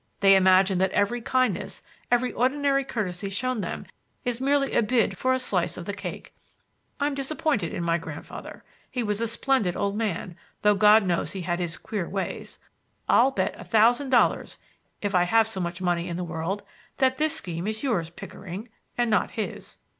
They imagine that every kindness, every ordinary courtesy shown them, is merely a bid for a slice of the cake. I'm disappointed in my grandfather. He was a splendid old man, though God knows he had his queer ways. I'll bet a thousand dollars, if I have so much money in the world, that this scheme is yours, Pickering, and not his.